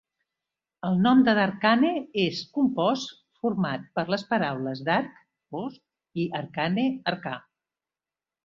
El nom de Darkane és un compost format per les paraules "dark" (fosc) i "arcane" (arcà).